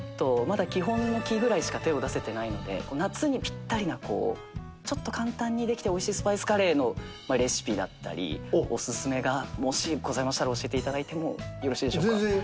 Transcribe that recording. まだ基本の「基」ぐらいしか手を出せてないので夏にぴったりなちょっと簡単にできておいしいスパイスカレーのレシピだったりおすすめがもしございましたら教えていただいてもよろしいでしょうか？